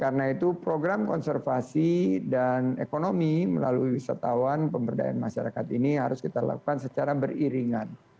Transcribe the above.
karena itu program konservasi dan ekonomi melalui wisatawan pemberdayaan masyarakat ini harus kita lakukan secara beriringan